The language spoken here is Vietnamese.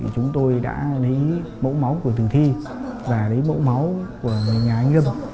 chúng tôi đã lấy mẫu máu của thử thi và lấy mẫu máu của nhà anh lâm